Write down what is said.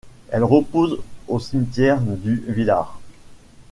Elle repose au cimetière du Villars.